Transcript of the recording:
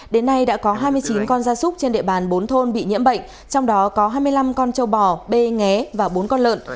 đến nay đã có hai mươi chín con gia súc trên địa bàn bốn thôn bị nhiễm bệnh trong đó có hai mươi năm con châu bò bê nghé và bốn con lợn